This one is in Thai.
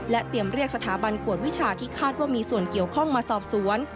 เตรียมเรียกสถาบันกวดวิชาที่คาดว่ามีส่วนเกี่ยวข้องมาสอบสวน